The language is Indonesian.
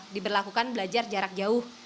diberlakukan belajar jarak jauh